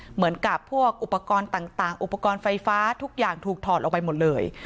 เหมือนกับพวกอุปกรณ์ต่างอุปกรณ์ไฟฟ้าทุกอย่างถูกถอดออกไปหมดเลย